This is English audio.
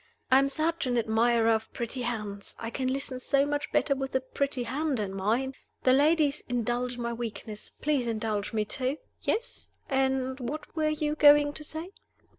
I am such an admirer of pretty hands! I can listen so much better with a pretty hand in mine. The ladies indulge my weakness. Please indulge me too. Yes? And what were you going to say?"